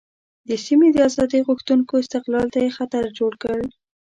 د سیمې د آزادۍ غوښتونکو استقلال ته یې خطر جوړ کړ.